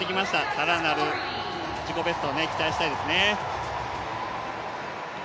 更なる自己ベストを期待したいですね。